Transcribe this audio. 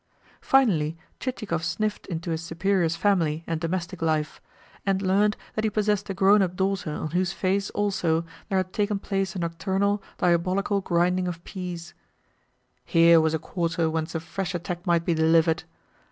Finally, Chichikov sniffed into his superior's family and domestic life, and learnt that he possessed a grown up daughter on whose face also there had taken place a nocturnal, diabolical grinding of peas. HERE was a quarter whence a fresh attack might be delivered!